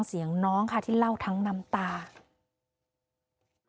เลื่อยหนทำไหมครับ